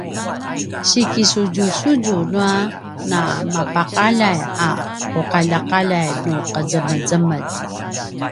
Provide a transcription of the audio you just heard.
sikisudjusudju nua namapaqaljay a uqaljaqaljay nu qezemezemetj